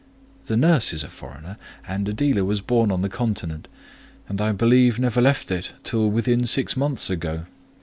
"The nurse is a foreigner, and Adela was born on the Continent; and, I believe, never left it till within six months ago.